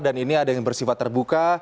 dan ini ada yang bersifat terbuka